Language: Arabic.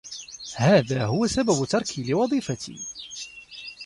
هذا هو سبب تركي لوظيفتي.